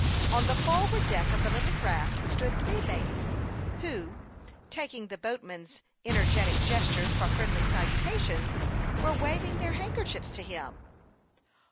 On the forward deck of the little craft stood three ladies, who, taking the boatman's energetic gestures for friendly saluta tions, were waving their handkerchiefs to him.